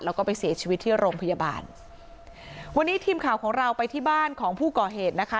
แล้วก็ไปเสียชีวิตที่โรงพยาบาลวันนี้ทีมข่าวของเราไปที่บ้านของผู้ก่อเหตุนะคะ